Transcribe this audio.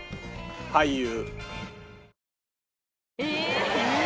俳優？